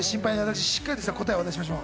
しっかりした答えを出しましょう。